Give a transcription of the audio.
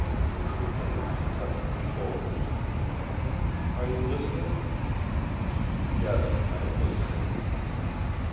Her two hands touched his shoulders. "Are you listening?" "Yes, I am listening."